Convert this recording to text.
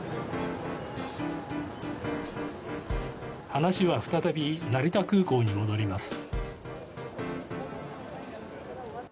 話は再び成田空港に戻ります。